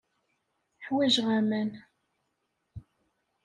Ḥwajeɣ aman.